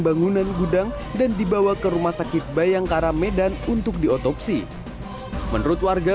bangunan gudang dan dibawa ke rumah sakit bayangkara medan untuk diotopsi menurut warga